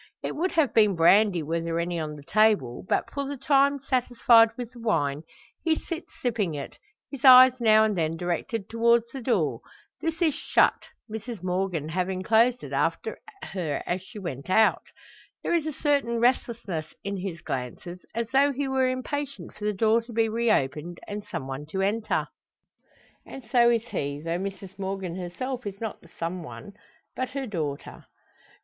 It would have been brandy were there any on the table; but, for the time satisfied with the wine, he sits sipping it, his eyes now and then directed towards the door. This is shut, Mrs Morgan having closed it after her as she went out. There is a certain restlessness in his glances, as though he were impatient for the door to be reopened, and some one to enter. And so is he, though Mrs Morgan herself is not the some one but her daughter.